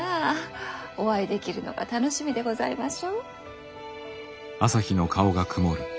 お会いできるのが楽しみでございましょう。